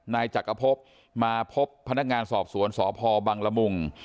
นายจักรพบมาพบพนักงานสอบสวนสพบังละมุง